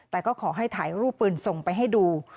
แต่ก็ขอให้ถ่ายรูปปืนส่งไปให้ดู